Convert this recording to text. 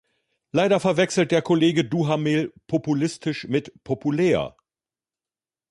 Leider verwechselt der Kollege Duhamel populistisch mit populär.